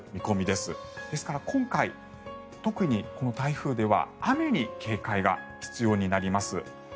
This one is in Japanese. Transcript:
ですから、今回特にこの台風では雨に警戒が必要になります。